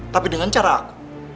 tapi dengan cara aku